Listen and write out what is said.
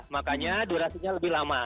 makanya durasinya lebih lama